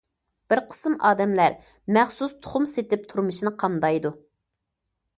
بىر قىسىم ئادەملەر مەخسۇس تۇخۇم سېتىپ تۇرمۇشىنى قامدايدۇ.